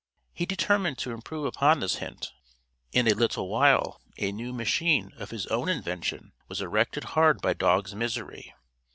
He determined to improve upon this hint. In a little while a new machine of his own invention was erected hard by Dog's Misery.